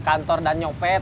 kantor dan nyopet